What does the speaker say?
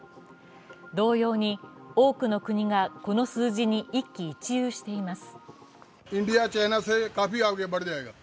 同様に、多くの国がこの数字に一喜一憂しています。